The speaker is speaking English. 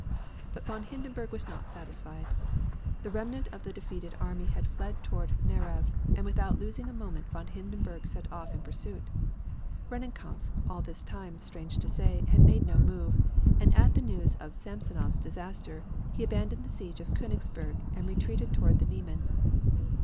But von Hindenburg was not satisfied. The remnant of the defeated army had fled toward Narev, and without losing a moment von Hindenburg set off in pursuit. Rennenkampf, all this time, strange to say, had made no move, and at the news of Samsonov's disaster he abandoned the siege of Koenigsberg and retreated toward the Niemen.